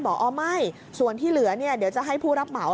บอกอ๋อไม่ส่วนที่เหลือเดี๋ยวจะให้ผู้รับเหมา